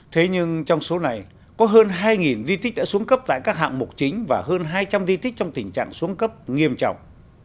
thế nhưng trong số này có hơn hai di tích đã xuống cấp tại các hạng mục chính và hơn hai trăm linh di tích trong tình trạng xuống cấp nghiêm trọng